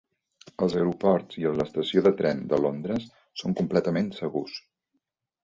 Els aeroports i l'estació de tren de Londres són completament segurs